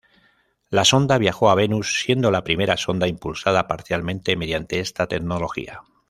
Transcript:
La sonda viajó a Venus, siendo la primera sonda impulsada parcialmente mediante esta tecnología.